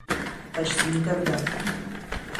Почти никогда.